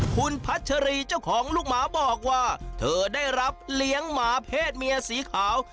คุณพัชรีเจ้าของลูกหมาบอกว่าเธอได้รับเลี้ยงหมาเพศเมียสีขาว